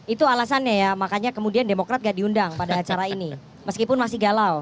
itu alasannya ya makanya kemudian demokrat gak diundang pada acara ini meskipun masih galau